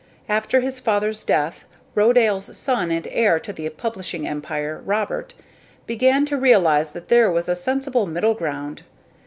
After his father's death, Rodale's son and heir to the publishing empire, Robert, began to realize that there was a sensible middle ground.